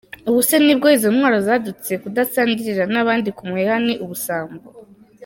Ubu se nibwo izo ndwara zadutse? Kudasangirira n’abandi ku muheha ni ubusambo.